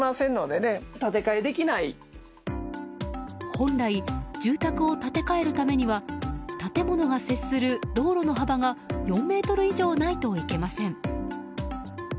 本来住宅を建て替えるためには建物が接する道路の幅が４ｍ以上ないといけません。